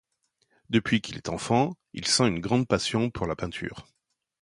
Depuis qu'il est enfant, il sent une grande passion pour la peinture.